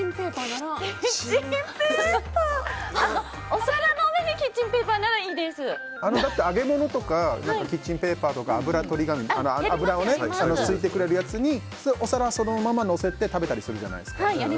お皿の上にキッチンペーパーならだって揚げ物とかキッチンペーパーとか脂取り紙で吸ってくれるやつにお皿そのまま載せて食べたりするじゃないですか。